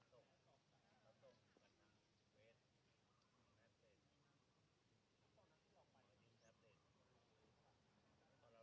โปรดติดตามตอนต่อไป